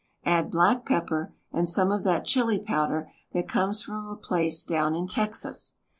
Add black pepper and some of that Chili powder that comes from a place down in Texas.